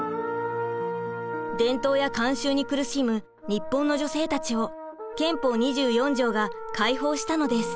伝統や慣習に苦しむ日本の女性たちを憲法２４条が解放したのです。